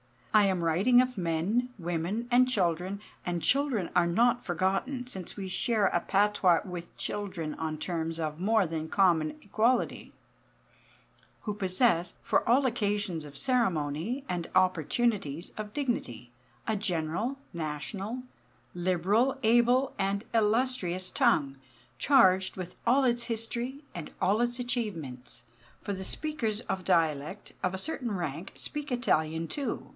I am writing of men, women, and children (and children are not forgotten, since we share a patois with children on terms of more than common equality) who possess, for all occasions of ceremony and opportunities of dignity, a general, national, liberal, able, and illustrious tongue, charged with all its history and all its achievements; for the speakers of dialect, of a certain rank, speak Italian, too.